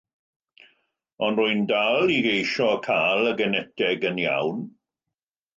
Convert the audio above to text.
Ond rwy'n dal i geisio cael y geneteg yn iawn.